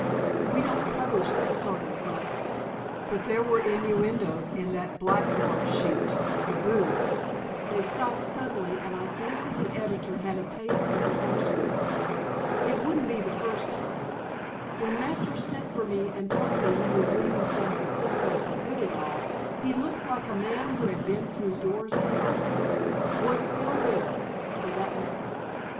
We don't publish that sort of muck, but there were innuendoes in that blackguard sheet, The Boom. They stopped suddenly and I fancy the editor had a taste of the horsewhip. It wouldn't be the first time.... When Masters sent for me and told me he was leaving San Francisco for good and all, he looked like a man who had been through Dore's Hell was there still, for that matter.